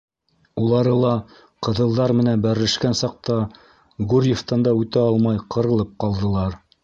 Улары ла ҡыҙылдар менән бәрелешкән саҡта Гурьевтан да үтә алмай ҡырылып ҡалдылар.